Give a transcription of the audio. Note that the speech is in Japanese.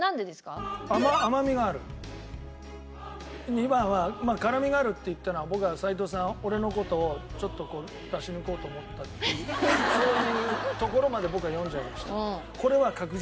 ２番はまあ辛みがあるって言ったのは僕は齋藤さんは俺の事をちょっと出し抜こうと思ったっていうそういうところまで僕は読んじゃいました。